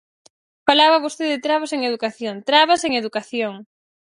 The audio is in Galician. Falaba vostede de trabas en educación, trabas en educación.